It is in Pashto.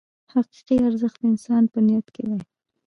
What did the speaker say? حقیقي ارزښت د انسان په نیت کې دی.